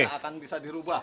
ini akan bisa dirubah